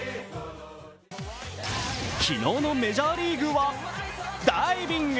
昨日のメジャーリーグはダイビング！